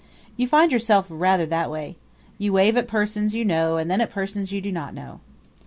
You find yourself rather that way. You wave at persons you know and then at persons you do not know.